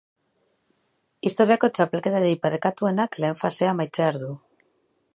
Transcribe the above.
Historiako txapelketarik parekatuenak lehen fasea amaitzear du.